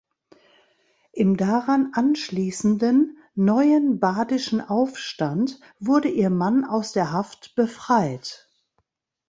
Im daran anschließenden neuen badischen Aufstand wurde ihr Mann aus der Haft befreit.